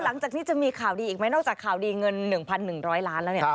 หลังจากนี้จะมีข่าวดีอีกไหมนอกจากข่าวดีเงิน๑๑๐๐ล้านแล้วเนี่ย